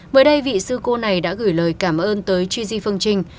mới đây vị sư cô này đã gửi lời cảm ơn tới gigi phương trinh